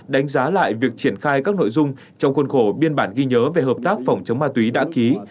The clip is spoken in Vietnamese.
đánh giá lại việc triển khai các nội dung trong khuôn khổ biên bản ghi nhớ về hợp tác phòng chống ma túy đã ký